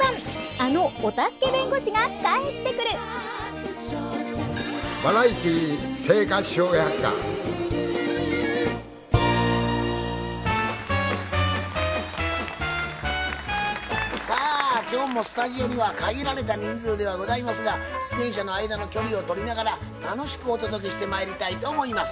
あのお助け弁護士が帰ってくるさあ今日もスタジオには限られた人数ではございますが出演者の間の距離を取りながら楽しくお届けしてまいりたいと思います。